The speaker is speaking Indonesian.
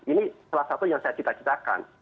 ini salah satu yang saya cita citakan